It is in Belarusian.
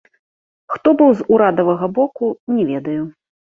Хто быў з урадавага боку, не ведаю.